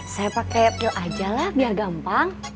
saya pakai pil aja lah biar gampang